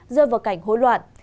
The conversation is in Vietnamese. rơi vào cảnh hối loạn